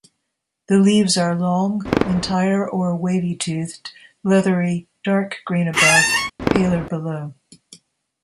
The leaves are long, entire or wavy-toothed, leathery, dark green above, paler below.